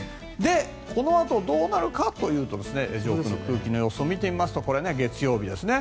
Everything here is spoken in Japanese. このあとどうなるかというと上空の空気の様子を見るとこれは月曜日ですね